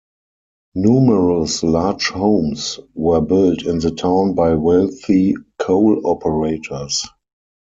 Numerous large homes were built in the town by wealthy coal operators.